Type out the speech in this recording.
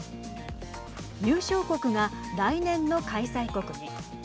優勝国が来年の開催国に。